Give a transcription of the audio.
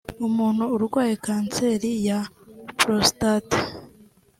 Umuntu urwaye kanseri ya prostate